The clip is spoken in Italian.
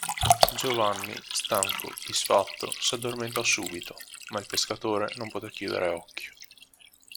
Giovanni, stanco, disfatto, s'addormentò subito; ma il pescatore non potè chiudere occhio.